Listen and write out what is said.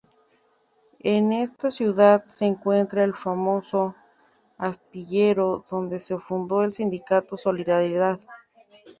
En esta ciudad se encuentra el famoso astillero donde se fundó el sindicato Solidaridad.